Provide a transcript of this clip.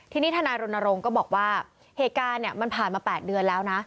ทีนี้ทนายรณรงค์ก็บอกว่าเหตุการณ์มันผ่านมา๘เดือนแล้วนะ